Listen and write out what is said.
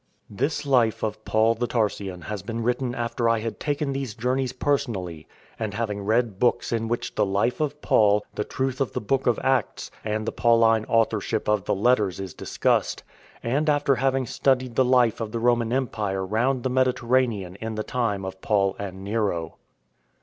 This life of Paul the Tarsian has been written after I had taken these journeys personally, and having read books in which the life of Paul, the truth of the book of Acts, and the Pauline authorship of the Letters is discussed, and after having studied the life of the Roman Empire round the Mediterranean in the time of Paul and Nero.